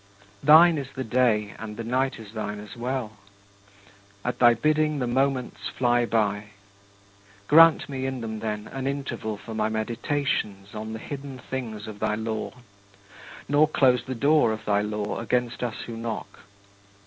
"Thine is the day and the night is thine as well." At thy bidding the moments fly by. Grant me in them, then, an interval for my meditations on the hidden things of thy law, nor close the door of thy law against us who knock.